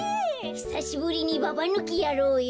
ひさしぶりにババぬきやろうよ。